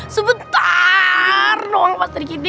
sebentar doang pak srik giti